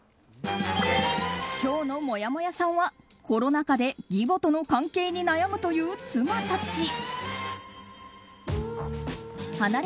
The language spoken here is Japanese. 今日のもやもやさんはコロナ禍で義母との関係に悩むという妻たち。